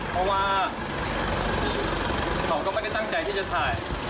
เพราะว่าเขาก็ไม่ได้ตั้งใจที่จะถ่าย